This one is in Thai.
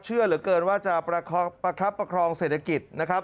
เชื่อเหลือเกินว่าจะประคับประคองเศรษฐกิจนะครับ